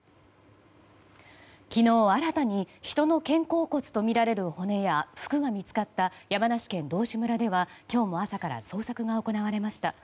昨日、新たに人の肩甲骨とみられる骨や服が見つかった山梨県道志村では今日も朝から捜索が行われました。